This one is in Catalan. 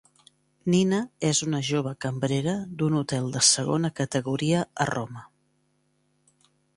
Nina és una jove cambrera d'un hotel de segona categoria a Roma.